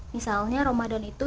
misalnya ramadan itu